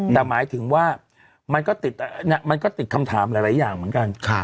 แต่หมายถึงว่ามันก็ติดมันก็ติดคำถามหลายอย่างเหมือนกัน